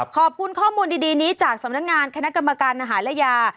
ขอบคุณข้อมูลดีนี้จากสำนักงานคณะกรรมการอาหารและยา